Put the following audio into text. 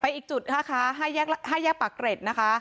ไปอีกจุดค่ะค่ะห้าแยกห้าแยกปักเกร็ดนะคะ